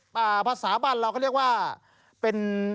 หอ๊ะแต่ว่าคือ